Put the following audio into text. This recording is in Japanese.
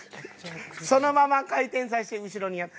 そのまま回転させて後ろにやって。